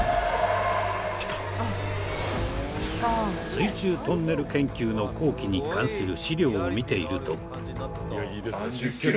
水中トンネル研究の工期に関する資料を見ていると。